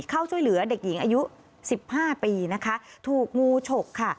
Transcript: เข้าช่วยเหลือเด็กหญิงอายุ๑๕ปีนะคะถูกงูฉกค่ะ